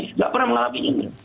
nggak pernah mengalami ini